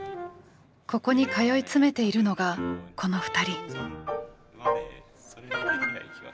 ここに通い詰めているのがこの２人。